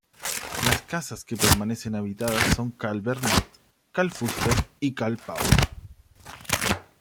Las casas que permanecen habitadas son cal Bernat, cal Fuster y cal Pau.